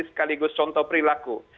sekaligus contoh perilaku